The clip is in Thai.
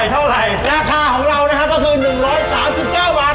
เท่าไหร่ราคาของเราก็คือ๑๓๙วาทเท่าไหร่